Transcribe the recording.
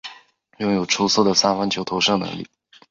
拥有出色的三分球投射能力。